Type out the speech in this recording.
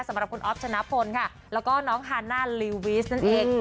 สำหรับคุณอ๊อฟชนะพลค่ะแล้วก็น้องฮาน่าลีวิสนั่นเอง